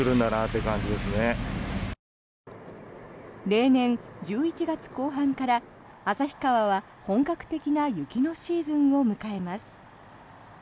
例年、１１月後半から旭川は本格的な雪のシーズンを迎えます。